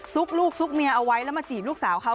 ลูกซุกเมียเอาไว้แล้วมาจีบลูกสาวเขา